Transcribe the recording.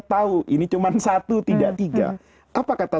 tahu ini cuma satu tidak tiga apa kata